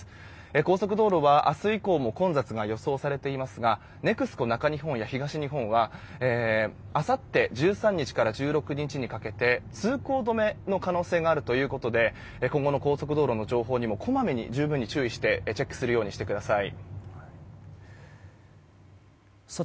高速道路は明日以降も混雑が予想されていますがＮＥＸＣＯ中日本や東日本はあさって１３日から１６日にかけて通行止めの可能性があるということで今後の高速道路の状況もこまめに十分注意してチェックするようにしてください。